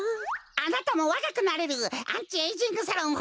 あなたもわかくなれるアンチエイジングサロン